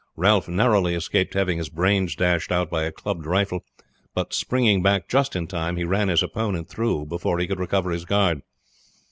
Ralph narrowly escaped having his brains dashed out by a clubbed rifle, but springing back just in time he ran his opponent through before he could recover his guard.